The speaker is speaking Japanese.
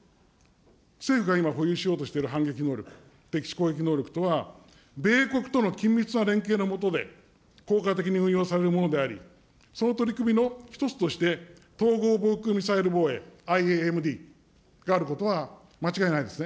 政府が今保有しようとしている反撃能力、敵基地攻撃能力とは、米国との緊密な連携のもとで効果的に運用されるものであり、その取り組みの一つとして、統合防空ミサイル防衛・ＩＡＭＤがあることは間違いないですね。